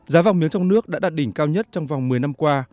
giá vàng miếng trong nước đã đạt đỉnh cao nhất trong vòng một mươi năm qua